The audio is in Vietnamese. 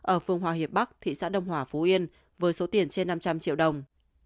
ở phương hòa hiệp bắc thị xã đông hòa phú yên với số tiền trên năm trăm linh triệu đồng